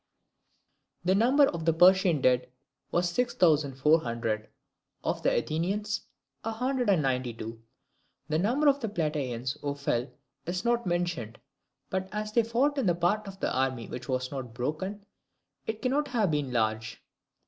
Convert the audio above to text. The number of the Persian dead was six thousand four hundred; of the Athenians, a hundred and ninety two. The number of Plataeans who fell is not mentioned, but as they fought in the part of the army which was not broken, it cannot have been large.